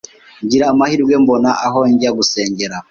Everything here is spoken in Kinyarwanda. ngira amahirwe mbona aho njya gusengera